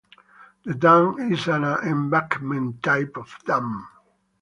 The dam is an embankment type of dam.